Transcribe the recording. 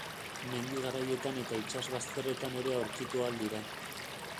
Mendi garaietan eta itsas bazterretan ere aurkitu ahal dira.